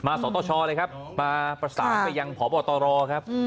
มาสวนต้อช้าเลยครับมาประสานไปยังพหพวตรครับ